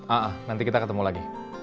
a ah nanti kita ketemu lagi